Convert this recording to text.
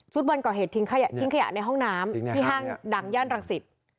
บอลก่อเหตุทิ้งขยะในห้องน้ำที่ห้างดังย่านรังสิต